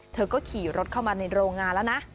เธอก็ขี่รถเข้ามาในโรงงานแล้วนะ